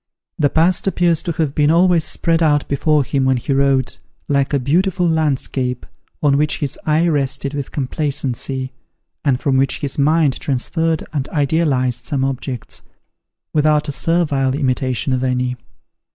The past appears to have been always spread out before him when he wrote, like a beautiful landscape, on which his eye rested with complacency, and from which his mind transferred and idealized some objects, without a servile imitation of any.